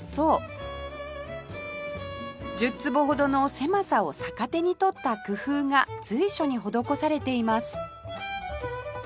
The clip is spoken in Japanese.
１０坪ほどの狭さを逆手に取った工夫が随所に施されています